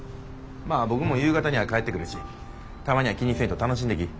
まあ僕も夕方には帰ってくるしたまには気にせんと楽しんできい。